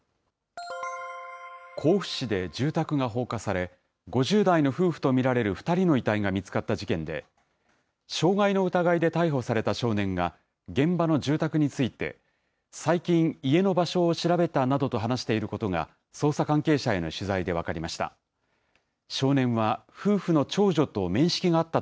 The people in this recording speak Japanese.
甲府市で住宅が放火され、５０代の夫婦と見られる２人の遺体が見つかった事件で、傷害の疑いで逮捕された少年が、現場の住宅について、最近、家の場所を調べたなどと話していることが、捜査関係者への取材で分かりました。